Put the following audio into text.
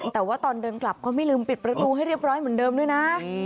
แต่ว่าตอนเดินกลับก็ไม่ลืมปิดประตูให้เรียบร้อยเหมือนเดิมด้วยนะ